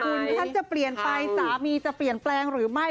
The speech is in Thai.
คุณแพทย์จะเปลี่ยนไปสามีจะเปลี่ยนแปลงหรือไม่